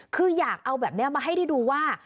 คืออยากเอาแบบนี้มาให้ได้ดูว่า